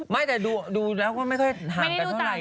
ไม่แต่ดูแล้วเข้าไม่ค่อยหันแต่เท่าไหร่